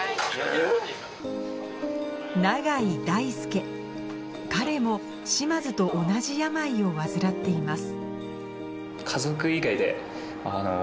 永井大育彼も嶋津と同じ病を患っています